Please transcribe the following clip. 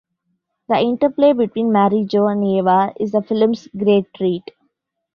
The interplay between Mary Jo and Ava is the film's great treat.